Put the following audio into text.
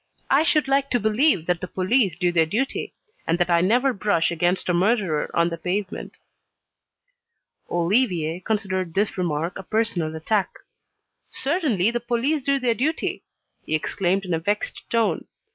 "I should like to believe that the police do their duty, and that I never brush against a murderer on the pavement." Olivier considered this remark a personal attack. "Certainly the police do their duty," he exclaimed in a vexed tone.